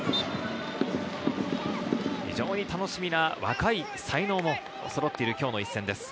非常に楽しみな若い才能もそろっている今日の一戦です。